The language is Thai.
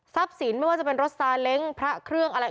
ทรัพย์ศีลไม่ว่าจะเป็นรถสาเล็งก์พระเครื่องอะไร